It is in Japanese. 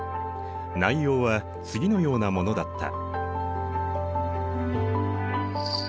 内容は次のようなものだった。